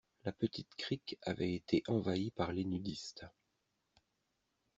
La petite crique avait été envahie par les nudistes.